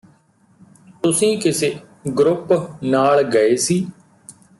ਤੁਸੀਂ ਕਿਸੇ ਗਰੁੱਪ ਨਾਲ਼ ਗਏ ਸੀ